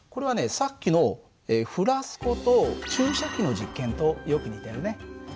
さっきのフラスコと注射器の実験とよく似てるね。